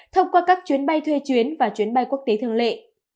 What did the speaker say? thông qua các chuyến bay thuê chuyến và chuyến bay quốc tế thường lệ